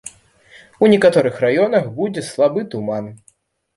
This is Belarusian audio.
У некаторых раёнах будзе слабы туман.